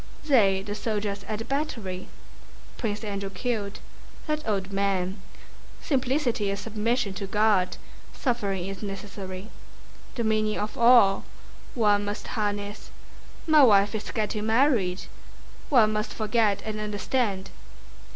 "They, the soldiers at the battery, Prince Andrew killed... that old man... Simplicity is submission to God. Suffering is necessary... the meaning of all... one must harness... my wife is getting married... One must forget and understand..."